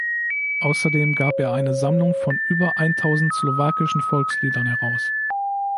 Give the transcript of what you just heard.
Außerdem gab er eine Sammlung von über eintausend slowakischen Volksliedern heraus.